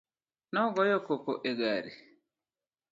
Nogoyo koko e gari.